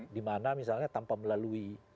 dimana misalnya tanpa melalui